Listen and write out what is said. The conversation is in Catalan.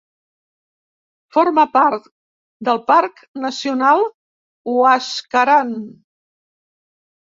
Forma part del Parc Nacional Huascarán.